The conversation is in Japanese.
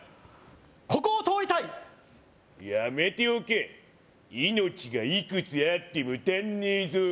ここを通りたいやめておけ命がいくつあっても足んねえぞ